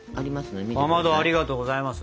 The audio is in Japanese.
かまどありがとうございます。